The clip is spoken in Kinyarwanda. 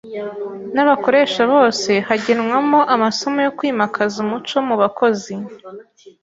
n’abakoresha bose hagenwamo amasomo yo kwimakaza umucomu bakozi